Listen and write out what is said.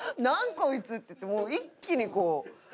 こいつっていって一気にこう。